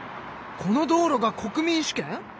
この道路が国民主権？